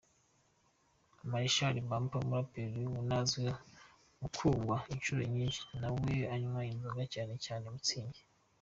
Marshal Mampa, umuraperi unazwiho gukungwa inshuro nyinshi, nawe anywa inzoga cyane cyane Mutzig.